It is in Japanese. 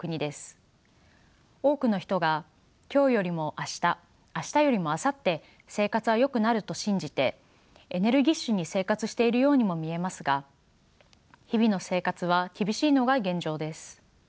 多くの人が今日よりも明日明日よりもあさって生活はよくなると信じてエネルギッシュに生活しているようにも見えますが日々の生活は厳しいのが現状です。